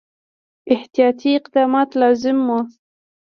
احتیاطي اقدامات لازم وه.